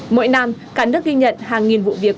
mỗi năm cả nước ghi nhận hàng nghìn vụ việc